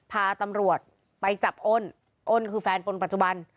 พาตำรวจไปจับอ้นอ้นคือแฟนคนปัจจุบัน